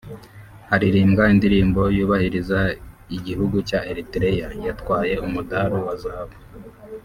Haririmbwa indirimbo yubahiriza igihugu ya Erythrea yatwaye Umudali wa Zahabu